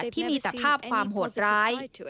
ที่มีสภาพความโหดร้าย